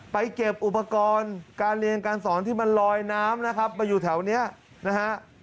เก็บอุปกรณ์การเรียนการสอนที่มันลอยน้ำนะครับมาอยู่แถวนี้นะฮะ